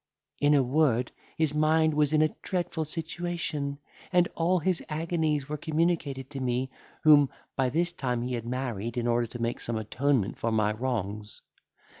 In a word, his mind was in a dreadful situation, and all his agonies were communicated to me, whom by this time he had married, in order to make some atonement for my wrongs.